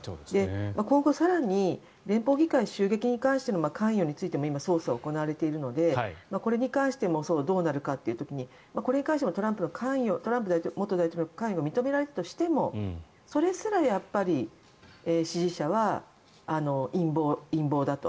今後、更に連邦議会襲撃に関しての関与についても今、捜査が行われているのでこれに関してもどうなるかという時にこれに関してもトランプ元大統領の関与が認められたとしてもそれすら、支持者は陰謀だと。